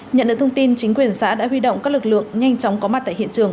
nhận được thông tin chính quyền xã đã huy động các lực lượng nhanh chóng có mặt tại hiện trường